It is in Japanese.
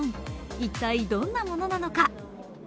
一体、どんなものなのか。